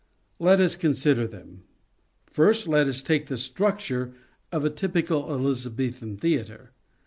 Let us consider them. First, let us take the structure of a typical Elizabethan theatre.